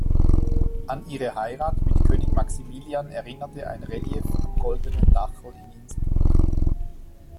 An ihre Heirat mit König Maximilian erinnert ein Relief am Goldenen Dachl in Innsbruck.